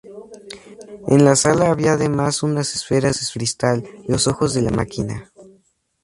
En la sala había además unas esferas de cristal, los ojos de la máquina.